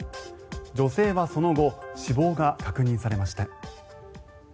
女性はその後死亡が確認されました。